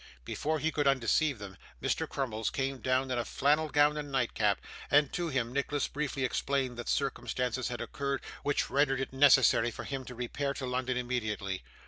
Before he could undeceive them, Mr. Crummles came down in a flannel gown and nightcap; and to him Nicholas briefly explained that circumstances had occurred which rendered it necessary for him to repair to London immediately.